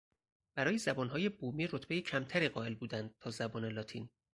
برای زبانهای بومی رتبهی کمتری قائل بودند تا زبان لاتین.